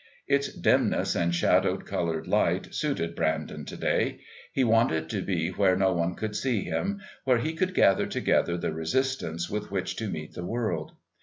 Its dimness and shadowed coloured light suited Brandon to day. He wanted to be where no one could see him, where he could gather together the resistance with which to meet the world.